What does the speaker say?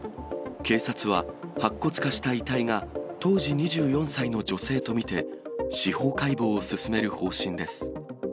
警察は、白骨化した遺体が、当時２４歳の女性と見て、司法解剖を進める方針です。